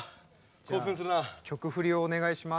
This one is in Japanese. じゃあ曲振りをお願いします。